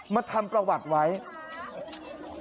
มาทำประวัติไว้เห็นไหม